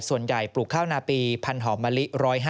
ส่วนใหญ่ปลูกข้าวนาปี๑๐๐๐หอมมะลิ๑๐๕